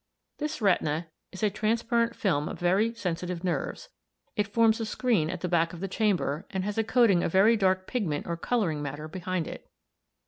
This retina is a transparent film of very sensitive nerves; it forms a screen at the back of the chamber, and has a coating of very dark pigment or colouring matter behind it.